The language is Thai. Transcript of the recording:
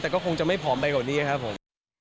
แต่ก็คงจะไม่ผอมไปกว่านี้ครับผม